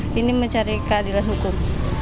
kini mencari keadilan hukum